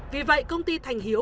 vì vậy công ty thành hiếu